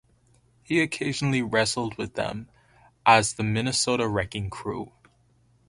He occasionally wrestled with them as the Minnesota Wrecking Crew.